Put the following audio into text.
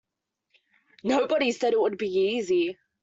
Nobody said it would be easy.